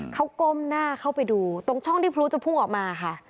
เขาก้มหน้าเข้าไปดูตรงช่องที่พลุจะพุ่งออกมาค่ะ